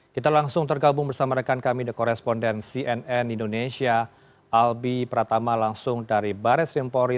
kita langsung tergabung bersama rekan kami the corresponden cnn indonesia albi pratama langsung dari bares krimpori